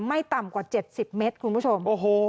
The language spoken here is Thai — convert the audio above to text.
ไม่ต่ำกว่า๗๐เมตรคุณผู้ชม